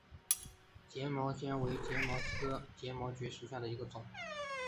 睫毛蕨为睫毛蕨科睫毛蕨属下的一个种。